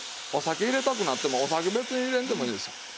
お酒入れたくなってもお酒別に入れんでもいいんですよ。